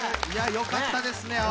いやよかったですね